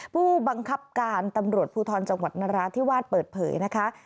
ผู้บังคับการตำรวจภูทรจังหวัดนราธิวาสเปิดเผยนะคะ